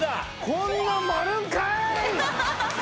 こんなんもあるんかい！